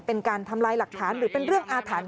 เป็นการทำลายหลักฐานหรือเป็นเรื่องอาถรรพ์